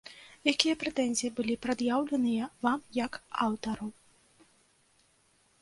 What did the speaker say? Якія прэтэнзіі былі прад'яўленыя вам як аўтару?